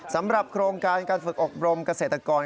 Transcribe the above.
สำหรับโครงการการฝึกอบรมเกษตรกร